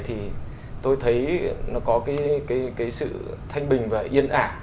thì tôi thấy nó có cái sự thanh bình và yên ả